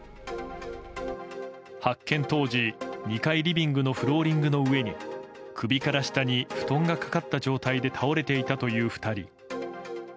発見当時、２階リビングのフローリングの上に首から下に布団がかかった状態で倒れていたという２人。